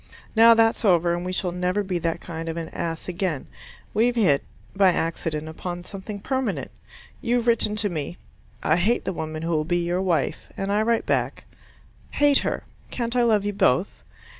Now that's over and we shall never be that kind of an ass again. We've hit by accident upon something permanent. You've written to me, "I hate the woman who will be your wife," and I write back, "Hate her. Can't I love you both?"